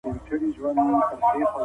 الله پاک د دنیا او اخیرت واکمن دی.